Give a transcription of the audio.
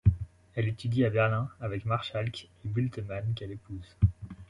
Elle étudie à Berlin avec Marschalk et Bültemann, qu'elle épouse.